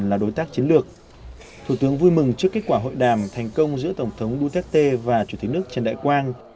là đối tác chiến lược thủ tướng vui mừng trước kết quả hội đàm thành công giữa tổng thống duterte và chủ tịch nước trần đại quang